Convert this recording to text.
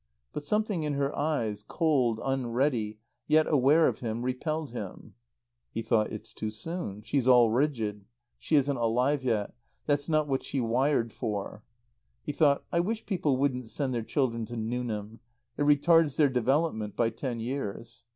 But something in her eyes, cold, unready, yet aware of him, repelled him. He thought: "It's too soon. She's all rigid. She isn't alive yet. That's not what she wired for." He thought: "I wish people wouldn't send their children to Newnham. It retards their development by ten years."